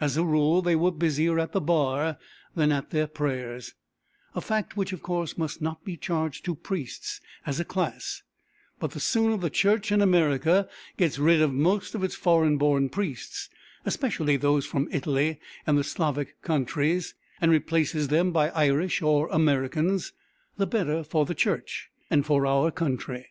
As a rule they were busier at the bar than at their prayers, a fact which of course must not be charged to priests as a class; but the sooner the Church in America gets rid of most of its foreign born priests, especially those from Italy and the Slavic countries, and replaces them by Irish or Americans, the better for the Church and for our country.